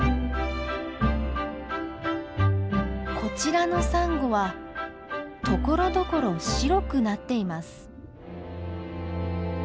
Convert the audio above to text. こちらのサンゴはところどころ白くなっています。